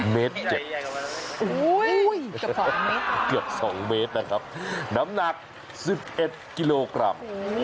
เมตรเจ็บครับโอ้โฮเกือบ๒เมตรนะครับน้ำหนัก๑๑กิโลกรัม